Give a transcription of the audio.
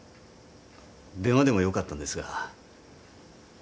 電話でもよかったんですが。